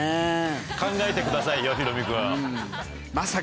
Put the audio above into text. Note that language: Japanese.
考えてくださいよヒロミ君。